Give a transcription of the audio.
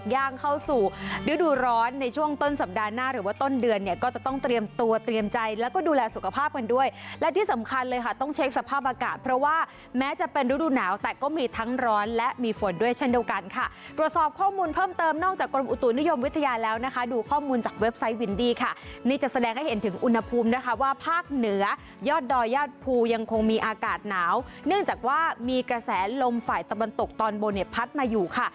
อย่างเข้าสู่ดูดูร้อนในช่วงต้นสัปดาห์หน้าหรือว่าต้นเดือนเนี่ยก็จะต้องเตรียมตัวเตรียมใจแล้วก็ดูแลสุขภาพกันด้วยและที่สำคัญเลยค่ะต้องเช็คสภาพอากาศเพราะว่าแม้จะเป็นดูดูหนาวแต่ก็มีทั้งร้อนและมีฝนด้วยเช่นเดียวกันค่ะตรวจสอบข้อมูลเพิ่มเติมนอกจากกรมอุตุนุยมวิทยา